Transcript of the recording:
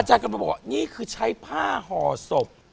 ไอจารย์ก็บอกนี่คือใช่ผ้าห่อสบ